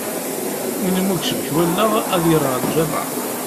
Win umi yecbek wallaɣ, ad yerr ar lǧameɛ.